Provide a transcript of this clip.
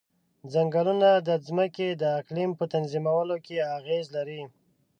ځنګلونه د ځمکې د اقلیم په تنظیمولو کې اغیز لري.